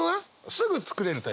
すぐ作れるタイプ？